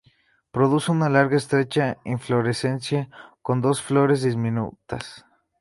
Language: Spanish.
Produce una larga y estrecha inflorescencia con dos flores diminutas.